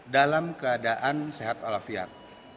dalam keadaan sehat olafiat